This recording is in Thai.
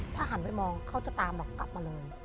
ถ้าหันไปมองเขาจะตามเรากลับมาเลย